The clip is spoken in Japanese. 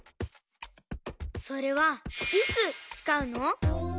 それはいつつかうの？